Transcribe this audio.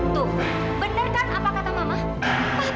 tuh bener kan apa kata mama